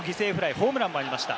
ホームランもありました。